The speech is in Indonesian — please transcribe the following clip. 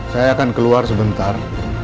saya akan keluar sebentar